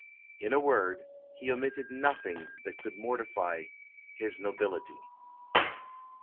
In a word, he omitted nothing that could mortify _his nobility.